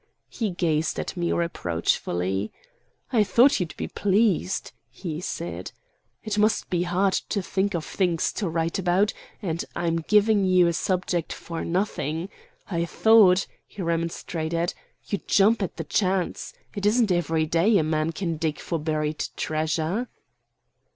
He gazed at me reproachfully. "I thought you'd be pleased," he said. "It must be hard to think of things to write about, and I'm giving you a subject for nothing. I thought," he remonstrated, "you'd jump at the chance. It isn't every day a man can dig for buried treasure."